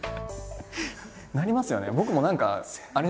なりますよね。